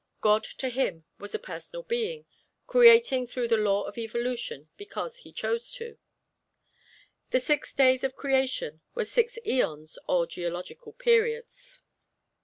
God, to him, was a personal being, creating through the Law of Evolution because He chose to. The six days of Creation were six eons or geological periods.